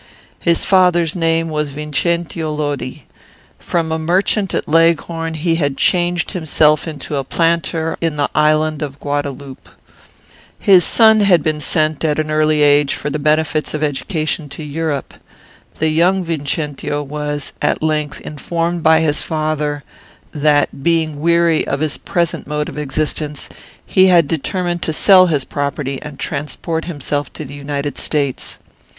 "His father's name was Vincentio Lodi. From a merchant at Leghorn, he had changed himself into a planter in the island of Guadaloupe. His son had been sent, at an early age, for the benefits of education, to Europe. The young Vincentio was, at length, informed by his father, that, being weary of his present mode of existence, he had determined to sell his property and transport himself to the United States.